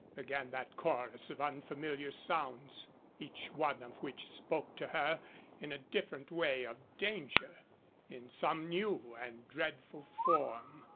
Again that chorus of unfamiliar sounds, each one of which spoke to her in a different way of danger in some new and dreadful form.